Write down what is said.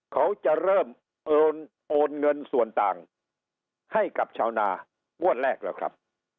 เขาจะเริ่มโอนเงินส่วนต่างให้กับชาวนางวดแรกแล้วครับ